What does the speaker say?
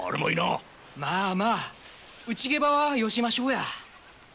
まあまあ内ゲバはよしましょうや。